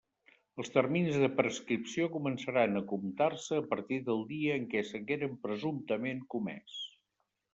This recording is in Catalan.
Els terminis de prescripció començaran a comptar-se a partir del dia en què s'hagueren presumptament comés.